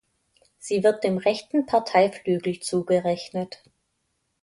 Sie wird dem rechten Parteiflügel zugerechnet.